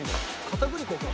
片栗粉か。